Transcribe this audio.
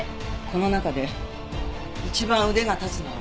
この中で一番腕が立つのは私よ。